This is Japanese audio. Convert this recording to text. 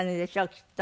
きっと。